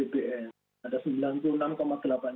pertama perlu kita sampaikan bahwa ada pbi dan bpn